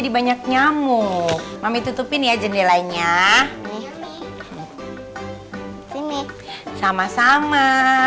di banyak nyamuk mami tutupin ya jendelanya sini sama sama